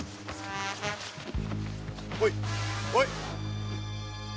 おいおいっ！